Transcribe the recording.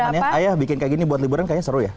kan ya ayah bikin kayak gini buat liburan kayaknya seru ya